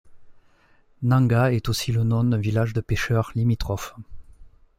Nanga est aussi le nom d'un village de pécheurs limitrophe.